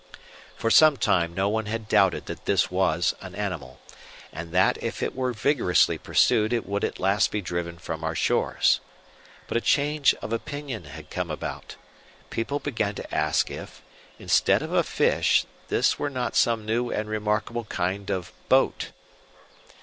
For some time no one had doubted that this was an animal; and that, if it were vigorously pursued, it would at last be driven from our shores. But a change of opinion had come about. People began to ask if, instead of a fish, this were not some new and remarkable kind of boat.